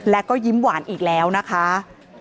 แล้วก็ยิ้มหวานอีกแล้วนะคะ